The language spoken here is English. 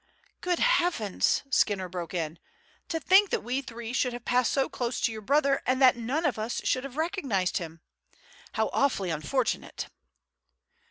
"Good heavens!" Skinner broke in; "to think that we three should have passed close to your brother and that none of us should have recognized him! How awfully unfortunate!"